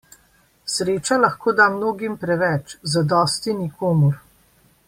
Sreča lahko da mnogim preveč, zadosti nikomur.